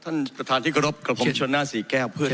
ท่านประธานที่กรบขอบคุณผู้ชนหน้าสี่แก้ของเพื่อน